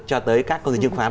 cho tới các công ty chứng khoán